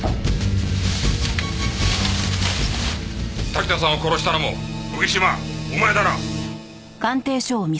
滝田さんを殺したのも荻島お前だな！